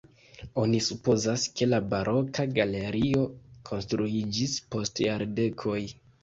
Oni supozas, ke la baroka galerio konstruiĝis post jardekoj.